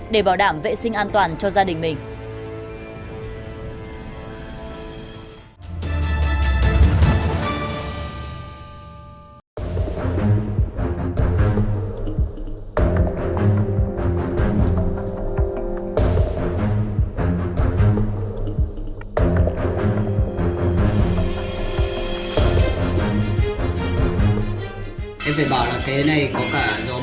để bảo đảm vệ sinh an toàn cho gia đình mình